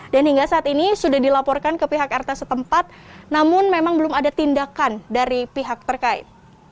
dan hingga saat ini sudah dilaporkan ke pihak rt setempat namun memang belum ada tindakan dari pihak terkait